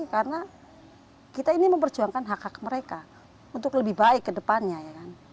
karena kita ini memperjuangkan hak hak mereka untuk lebih baik ke depannya ya